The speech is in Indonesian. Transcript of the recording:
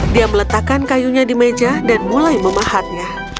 dia meletakkan kayunya di meja dan mulai memahatnya